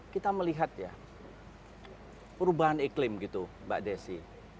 kita melihat ya perubahan iklim gitu mbak desi